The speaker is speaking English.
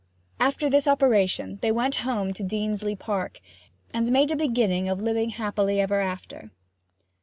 After this operation they went home to Deansleigh Park, and made a beginning of living happily ever after.